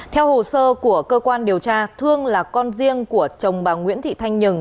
theo hồ sơ của cơ quan điều tra thương là con riêng của chồng bà nguyễn thị thanh nhường